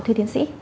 thưa tiến sĩ